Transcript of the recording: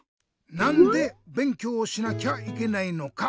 なんでべんきょうをしなきゃいけないのか。